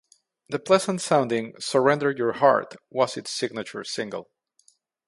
The pleasant-sounding "Surrender Your Heart" was its signature single.